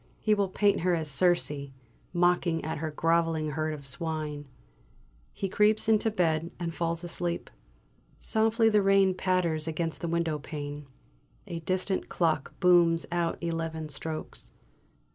He will paint her as Circe, mocking at her grovelling herd of swine! He creeps into bed and falls asleep. Softly the rain patters against the window pane. A distant clock booms out eleven strokes.